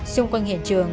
xung quanh hiện trường